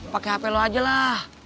pakai hape lo aja lah